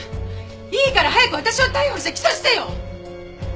いいから早く私を逮捕して起訴してよ！